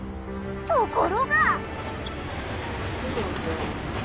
ところが！